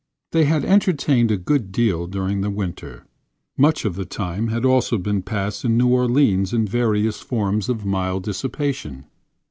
They had entertained a good deal during the winter; much of the time had also been passed in New Orleans in various forms of mild dissipation.